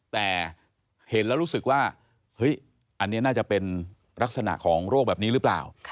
แต่เห็นแล้วรู้สึกว่าเฮ้ยอันนี้น่าจะเป็นลักษณะของโรคแบบนี้หรือเปล่า